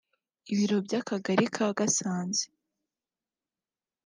Ibiro by’Akagari ka Gasanze